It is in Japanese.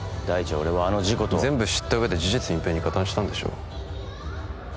俺はあの事故とは全部知った上で事実隠蔽に加担したんでしょ？